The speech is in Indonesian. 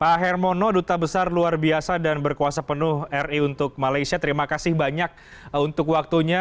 pak hermono duta besar luar biasa dan berkuasa penuh ri untuk malaysia terima kasih banyak untuk waktunya